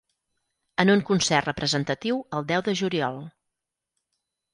En un concert representatiu el deu de juliol.